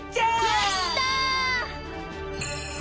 やった！